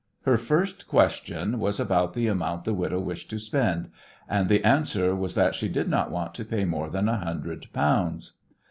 Her first question was about the amount the widow wished to spend, and the answer was that she did not want to pay more than a hundred pounds.